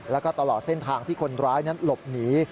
แล้วก็ตลอดเส้นทางที่คนร้ายนั้นหลบหนี